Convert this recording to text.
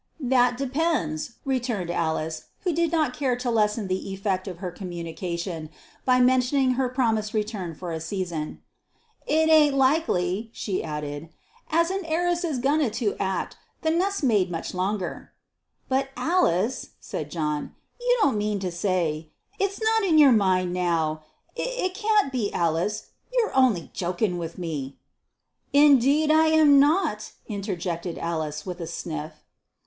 "That depends," returned Alice, who did not care to lessen the effect of her communication by mentioning her promised return for a season. " It ain't likely," she added, "as a heiress is a goin' to act the nuss maid much longer." "But Alice," said John, "you don't mean to say it's not in your mind now it can't be, Alice you're only jokin' with me " "Indeed, and I'm not!" interjected Alice, with a sniff.